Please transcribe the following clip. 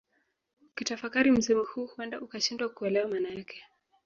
Ukitafakari msemo huu huenda ukashindwa kuelewa maana yake